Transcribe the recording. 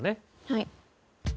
はい。